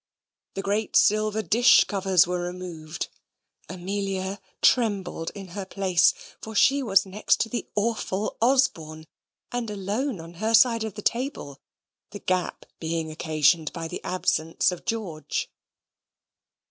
The great silver dish covers were removed. Amelia trembled in her place, for she was next to the awful Osborne, and alone on her side of the table the gap being occasioned by the absence of George.